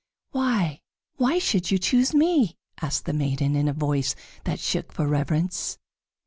"Why, why should you choose me?" asked the maiden, in a voice that shook for reverence.